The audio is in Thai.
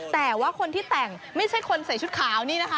แต่ว่าคนที่แต่งไม่ใช่คนใส่ชุดขาวนี่นะคะ